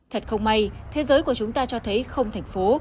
thật không may thế giới của chúng ta cho thấy không thành phố